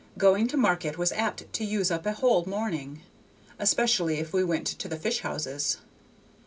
Going to market was apt to use up a whole morning, especially if we went to the fish houses.